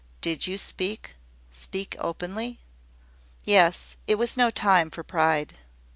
"Did you speak speak openly?" "Yes: it was no time for pride.